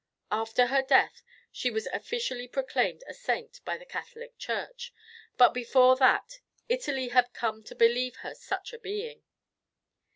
After her death she was officially proclaimed a saint by the Catholic Church, but before that Italy had come to believe her such a being.